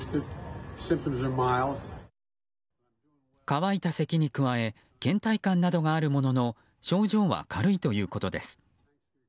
乾いたせきに加え倦怠感などがあるものの症状は軽いということです。